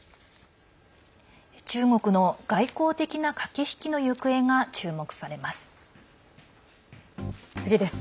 中国の外交的な駆け引きの行方が注目されます。